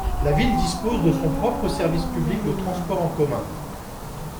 La ville dispose de son propre service public de transport en commun.